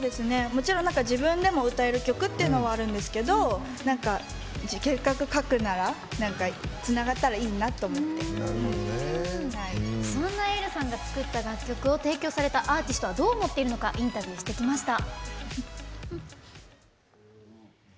もちろん自分でも歌える曲っていうのはあるんですけどせっかく書くならつながったらいいなとそんなｅｉｌｌさんが楽曲を提供されたアーティストはどう思っているのかインタビューしてきました。